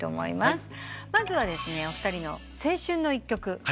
まずはお二人の青春の一曲。